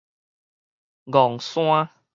楞山